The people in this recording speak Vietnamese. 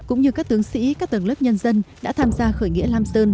cũng như các tướng sĩ các tầng lớp nhân dân đã tham gia khởi nghĩa lam sơn